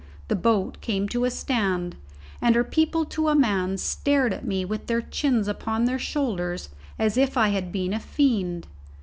the boat came to a stand, and her people to a man stared at me with their chins upon their shoulders as if I had been a fiend.